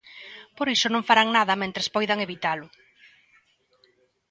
Por iso non farán nada mentres poidan evitalo.